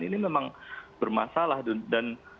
ini memang bermasalah dan